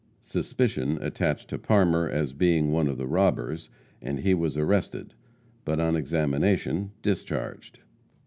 Suspicion attached to Parmer as being one of the robbers, and he was arrested, but, on examination, discharged.